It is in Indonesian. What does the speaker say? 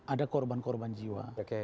ada korban korban jiwa